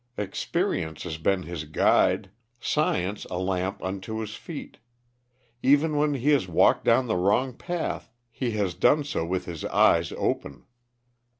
Experience has been his guide, science a lamp unto his feet. Even when he has walked down the wrong path he has done so with his eyes open.